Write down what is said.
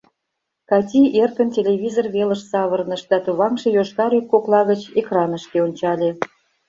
Кати эркын телевизор велыш савырныш да товаҥше йошкар ӱп кокла гыч экранышке ончале.